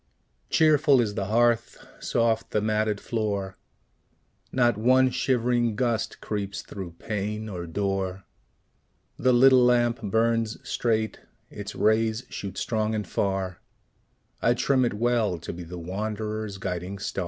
Cheerful is the hearth, soft the matted floor; Not one shivering gust creeps through pane or door; The little lamp burns straight, its rays shoot strong and far: I trim it well, to be the wanderer's guiding star.